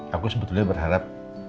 aku sebetulnya berharap